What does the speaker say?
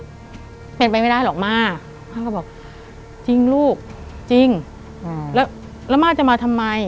มันเป็นไปไม่ได้หรอกม่าก็บอกจริงลูกจริงแล้วแล้วม่าจะมาทำไม